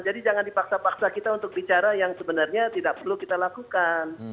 jadi jangan dipaksa paksa kita untuk bicara yang sebenarnya tidak perlu kita lakukan